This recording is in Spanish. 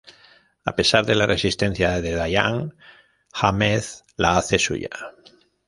A pesar de la resistencia de Diana, Ahmed la hace suya.